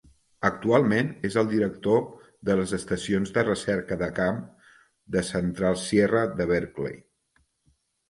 Actualment és el director de les Estacions de Recerca de Camp de Central Sierra de Berkeley.